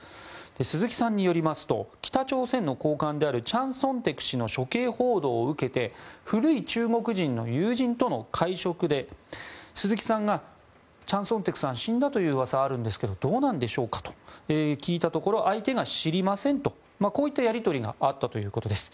鈴木さんによりますと北朝鮮の高官であるチャン・ソンテク氏の処刑報道を受けて古い中国人の友人との会食で鈴木さんがチャン・ソンテクさん死んだという噂があるんですがどうなんでしょうかと聞いたところ相手が知りませんとこういったやり取りがあったということです。